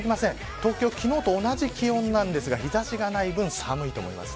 東京は昨日と同じ気温ですが日差しがない分寒いと思います。